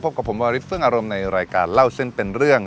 กับผมวาริสเฟื่องอารมณ์ในรายการเล่าเส้นเป็นเรื่อง